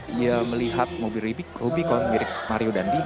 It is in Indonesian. pada saat ia melihat mobil rubicon mirip mario dandwi